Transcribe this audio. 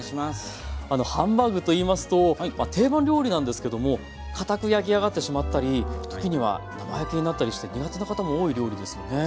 あのハンバーグといいますと定番料理なんですけどもかたく焼き上がってしまったり時には生焼けになったりして苦手な方も多い料理ですよね？